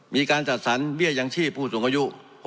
มีการจัดสรรเบี้ยยังชีพผู้สูงอายุ